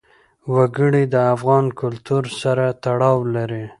وګړي د افغان کلتور سره تړاو لري.